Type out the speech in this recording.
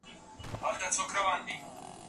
شاګرد باید د نويو مالوماتو په لټه کي وي.